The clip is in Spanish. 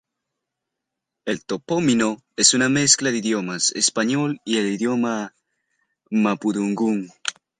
El topónimo es una mezcla de idioma español y de idioma mapudungun.